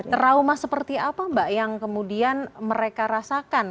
trauma seperti apa mbak yang kemudian mereka rasakan